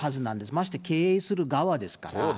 まして経営する側ですから。